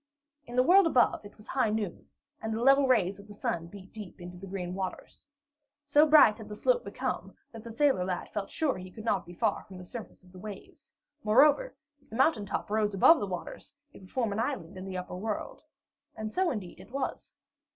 In the world above, it was high noon, and the level rays of the sun beat deep into the green waters. So bright had the slope become, that the sailor lad felt sure that he could not be far from the surface of the waves. Moreover, if the mountain top rose above the waters, it would form an island in the upper world. And so, indeed, it was.